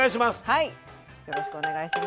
はい。